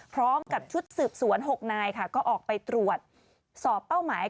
พร้อมกับชุดสืบสวน๖นายค่ะก็ออกไปตรวจสอบเป้าหมาย